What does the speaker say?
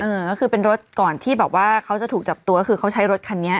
เออก็คือเป็นรถก่อนที่แบบว่าเขาจะถูกจับตัวคือเขาใช้รถคันนี้